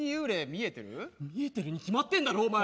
見えてるに決まってるだろ。